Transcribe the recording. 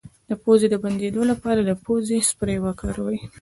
د پوزې د بندیدو لپاره د پوزې سپری وکاروئ